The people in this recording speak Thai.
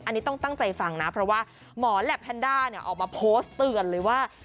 อันนี้ต้องตั้งใจฟังนะเพราะว่าหมอแหลปแพนด้าเนี่ยออกมาโพสต์เตือนเลยว่า